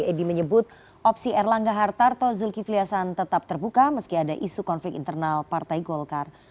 edi menyebut opsi erlangga hartarto zulkifli hasan tetap terbuka meski ada isu konflik internal partai golkar